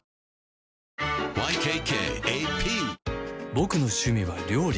ボクの趣味は料理